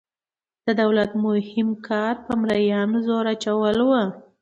د دولت مهم کار په مرئیانو زور اچول وو.